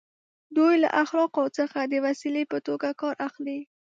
دوی له اخلاقو څخه د وسیلې په توګه کار اخلي.